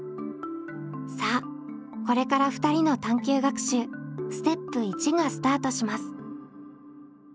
さあこれから２人の探究学習ステップ１がスタートします。